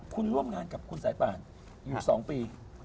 คุณร่วมงานกับคุณสายป่านอยู่๒ปี